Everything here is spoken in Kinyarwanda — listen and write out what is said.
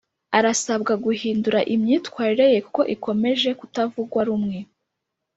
arasabwa guhindura imyatwirire ye kuko ikomeje kutavugwa rumwe